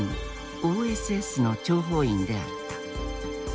ＯＳＳの諜報員であった。